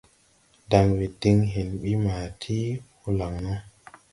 Danwe din hen ɓi ma ti holaŋ no.